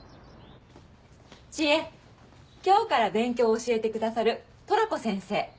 知恵今日から勉強教えてくださるトラコ先生。